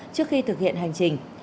trước khi thực hiện hành trình